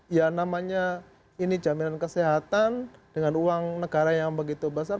ya namanya ini jaminan kesehatan dengan uang negara yang begitu besar